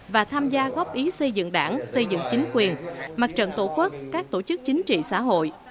và tham gia góp ý xây dựng đảng xây dựng chính quyền mặt trận tổ quốc các tổ chức chính trị xã hội